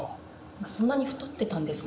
まぁそんなに太ってたんですか？